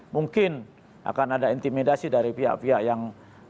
mungkin akan ada intimidasi dari pihak pihak yang